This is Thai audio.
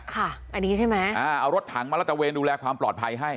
ค่ะอันนี้ใช่ไหมเอารถถังมารัตเวนดูแลความปลอดภัยให้